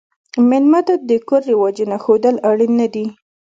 مېلمه ته د کور رواجونه ښودل اړین نه دي.